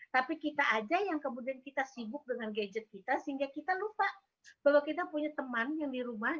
tapi kita aja yang kemudian kita sibuk dengan gadget kita sehingga kita lupa bahwa kita punya teman yang di rumah